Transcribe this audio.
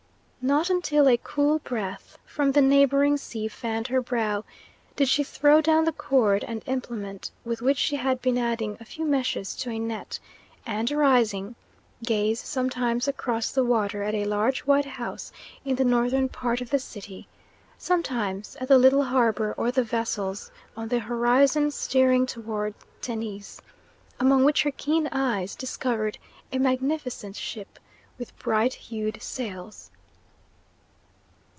Not until a cool breath from the neighbouring sea fanned her brow did she throw down the cord and implement with which she had been adding a few meshes to a net, and rising, gaze sometimes across the water at a large white house in the northern part of the city, sometimes at the little harbour or the vessels on the horizon steering toward Tennis, among which her keen eyes discovered a magnificent ship with bright hued sails.